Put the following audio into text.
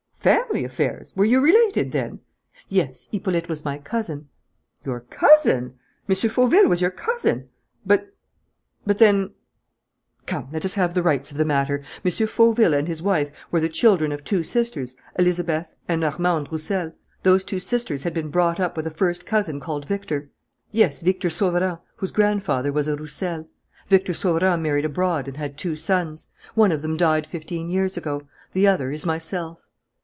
"Family affairs! Were you related, then?" "Yes. Hippolyte was my cousin." "Your cousin! M. Fauville was your cousin! But ... but then ... Come, let us have the rights of the matter. M. Fauville and his wife were the children of two sisters, Elizabeth and Armande Roussel. Those two sisters had been brought up with a first cousin called Victor." "Yes, Victor Sauverand, whose grandfather was a Roussel. Victor Sauverand married abroad and had two sons. One of them died fifteen years ago; the other is myself."